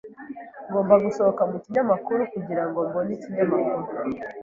Ngomba gusohoka mukinyamakuru kugirango mbone ikinyamakuru.